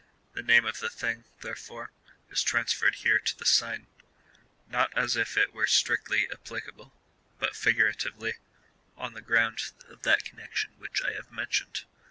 The name of the thing, therefore, is transferred liere to the sign — not as if it were strictly applicable, but figuratively, on the ground of that connection which I have mentioned.